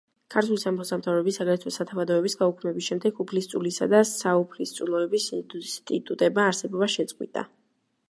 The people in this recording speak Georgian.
ქართული სამეფო-სამთავროების, აგრეთვე სათავადოების გაუქმების შემდეგ „უფლისწულისა“ და „საუფლისწულოს“ ინსტიტუტებმა არსებობა შეწყვიტა.